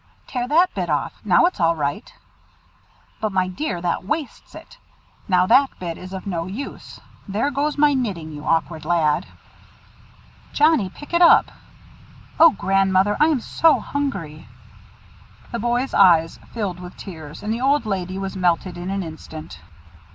"Tear that bit off. Now it's all right." "But, my dear, that wastes it. Now that bit is of no use. There goes my knitting, you awkward lad!" "Johnnie, pick it up! Oh! Grandmother, I am so hungry." The boy's eyes filled with tears, and the old lady was melted in an instant.